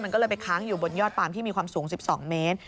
มันก็เลยไปค้างอยู่บนยอดปาล์ที่มีความสูง๑๒เมตร